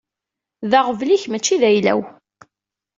D aɣbel-ik, mačči d ayla-w.